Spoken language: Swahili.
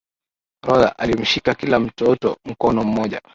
rhoda alimshika kila mtoto mkono mmoja